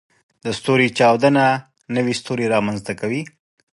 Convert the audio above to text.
د ستوري چاودنه نوې ستوري رامنځته کوي.